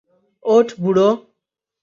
ওঠ, বুড়ো।